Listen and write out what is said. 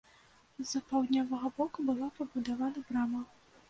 З паўднёвага боку была пабудавана брама.